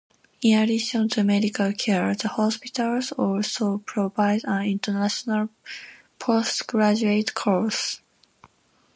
In addition to medical care, the hospitals also provide an International Postgraduate Course.